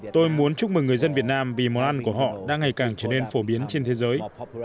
tôi muốn chúc mừng người dân việt nam vì món ăn của họ đang ngày càng trở nên phổ biến trên thế giới